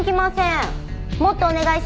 もっとお願いします。